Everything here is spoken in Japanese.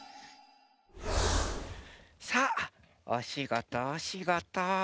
さあおしごとおしごと！